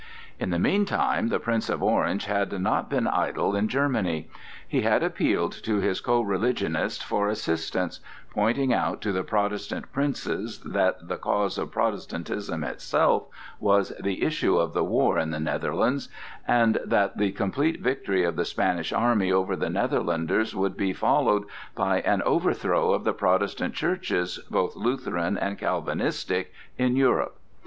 In the meantime the Prince of Orange had not been idle in Germany. He had appealed to his co religionists for assistance, pointing out to the Protestant princes that the cause of Protestantism itself was the issue of the war in the Netherlands, and that the complete victory of the Spanish army over the Netherlanders would be followed by an overthrow of the Protestant churches, both Lutheran and Calvinistic, in Europe.